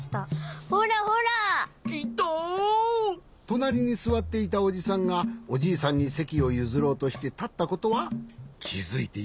となりにすわっていたおじさんがおじいさんにせきをゆずろうとしてたったことはきづいていましたか？